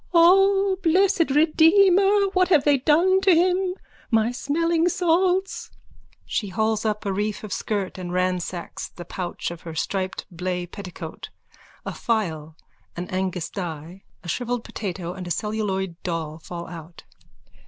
_ O blessed Redeemer, what have they done to him! My smelling salts! _(She hauls up a reef of skirt and ransacks the pouch of her striped blay petticoat. A phial, an Agnus Dei, a shrivelled potato and a celluloid doll fall out.)